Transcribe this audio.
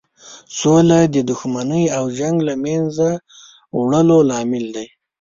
سوله د دښمنۍ او جنګ له مینځه وړلو لامل دی.